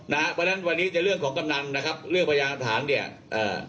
นะฮะเพราะฉะนั้นวันนี้จะเรื่องของกำนันนะครับเรื่องพยานฐานเนี่ยเอ่อ